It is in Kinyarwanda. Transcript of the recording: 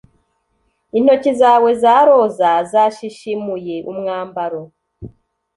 intoki zawe za roza zashishimuye umwambaro